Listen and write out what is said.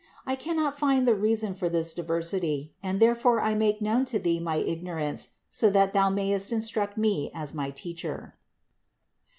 I cannot find the reason for this diversity, and therefore I make known to Thee my ignorance, so that Thou mayest instruct me as my Teacher.